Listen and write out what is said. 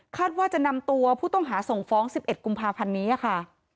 คาดว่าจะนำตัวผู้ต้องหาส่งฟ้องสิบเอ็ดกุมภาพันธุ์นี้อะค่ะ